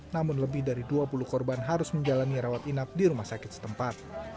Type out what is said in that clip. namun lebih dari dua puluh korban harus menjalani rawat inap di rumah sakit setempat